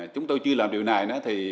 chúng tôi chưa làm điều này